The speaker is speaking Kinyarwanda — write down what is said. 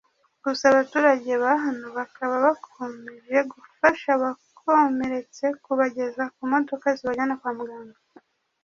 gusa abaturage ba hano bakaba bakomeje gufasha abakomeretse kubageza ku modoka zibajyana kwa muganga